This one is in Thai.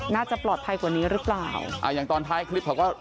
น่าจะปลอดภัยกว่านี้หรือเปล่าอ่าอย่างตอนท้ายคลิปเขาก็